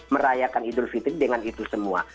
merayakan idul fitri dengan itu semua